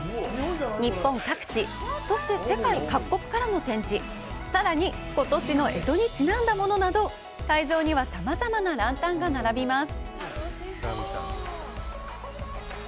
日本各地、そして世界各国からの展示、さらに、ことしの干支にちなんだものなど、会場にはさまざまなランタンが並びます。